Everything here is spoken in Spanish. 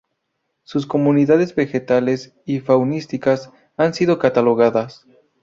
Sus comunidades vegetales y faunísticas han sido catalogadas.